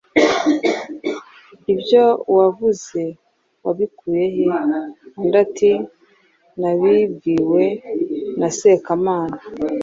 Ibyo wavuze wabikuye he ?” Undi ati ; “Nabibwiwe na Sekamana.”